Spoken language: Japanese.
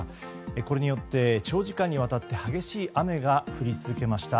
これによって長時間にわたって激しい雨が降り続きました。